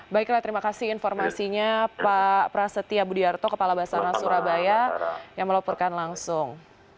baiklah terima kasih informasinya pak prasetya budiarto kepala basarnas surabaya yang melaporkan langsung